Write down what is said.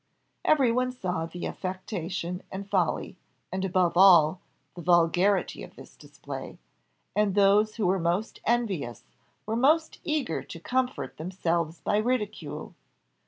Every one saw the affectation and folly, and above all, the vulgarity of this display, and those who were most envious were most eager to comfort themselves by ridicule.